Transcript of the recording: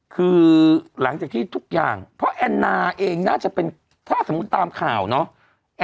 คือหลังจากที่ทุกอย่างเพราะแอนนาเองน่าจะเป็นถ้าสมมุติตามข่าวเนาะ